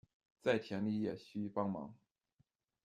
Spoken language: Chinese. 在田里也需帮忙